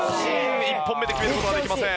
１本目で決める事はできません。